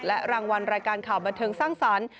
และรางวัลรายการข่าวบันเทิงสร้างสรรค์